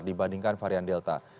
dibandingkan varian delta